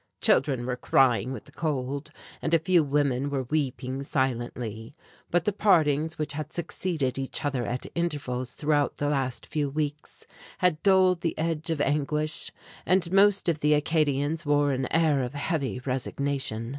Children were crying with the cold, and a few women were weeping silently; but the partings which had succeeded each other at intervals throughout the last few weeks had dulled the edge of anguish, and most of the Acadians wore an air of heavy resignation.